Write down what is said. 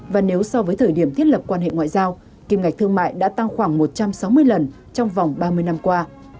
và nếu so với thời điểm thiết lập quan hệ ngoại giao kim ngạch thương mại đã tăng khoảng một trăm sáu mươi lần trong vòng ba mươi năm qua